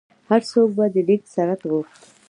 هر څوک به د لیک سند غوښت.